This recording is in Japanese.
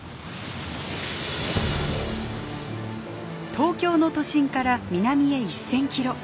東京の都心から南へ１，０００キロ。